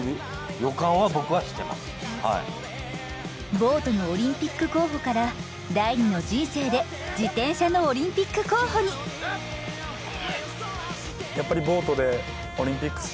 ボートのオリンピック候補から第２の人生で自転車のオリンピック候補にやっぱり。